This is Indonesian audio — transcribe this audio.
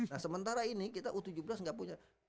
nah sementara ini kita u tujuh belas nggak punya